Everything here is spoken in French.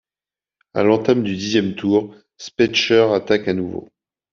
À l'entame du dixième tour, Speicher attaque à nouveau.